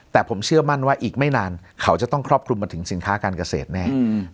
แต่ผมเชื่อมั่นว่าอีกไม่นานเขาจะต้องครอบคลุมมาถึงสินค้าการเกษตรแน่